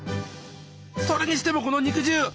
それにしてもこの肉汁。